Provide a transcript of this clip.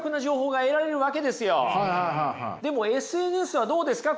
でもＳＮＳはどうですか？